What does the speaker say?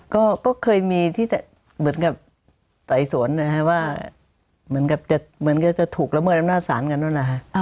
ก็เคยมีที่เหมือนกับไตสวนนะคะว่าเหมือนกับจะถูกระเมิดอำนาจศาสตร์กันนั่นนะคะ